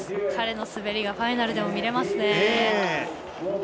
彼の滑りがファイナルでも見れますね。